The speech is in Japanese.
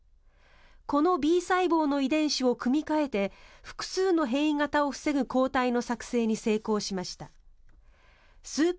このＢ細胞の遺伝子を組み替えて複数の変異型を防ぐ抗体の作成に成功しました。